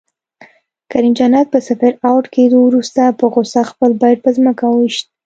کریم جنت په صفر اؤټ کیدو وروسته په غصه خپل بیټ په ځمکه وویشت